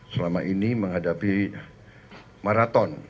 selama ini menghadapi maraton